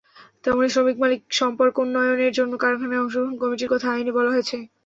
তেমনি শ্রমিক-মালিক সম্পর্কোন্নয়নের জন্য কারখানায় অংশগ্রহণ কমিটির কথা আইনে বলা আছে।